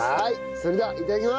それではいただきます！